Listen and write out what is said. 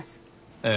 ええ。